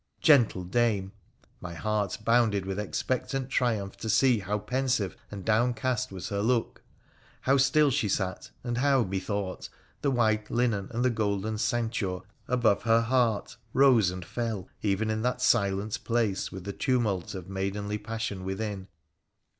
Gentle dame ! My heart bounded with expectant triumph to see how pensive and downcast was her look — how still she sat, and how, methought, the white linen and the golden ceinture above her heart rose and fell even in that silent place with the tumult of maidenly passion within.